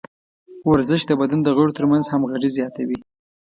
ورزش د بدن د غړو ترمنځ همغږي زیاتوي.